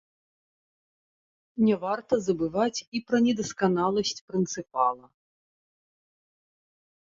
Не варта забываць і пра недасканаласць прынцыпала.